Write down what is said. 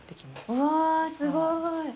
うわあ、すごい。